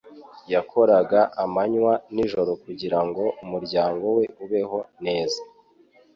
Yakoraga amanywa n'ijoro kugira ngo umuryango we ubeho neza.